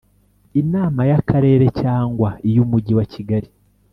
inama y’akarere cyangwa iy’umujyi wa kigali